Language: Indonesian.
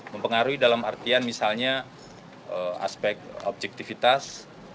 mempengaruhi dalam artian misalnya aspek objektivitas